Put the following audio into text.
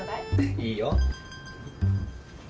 いいよ。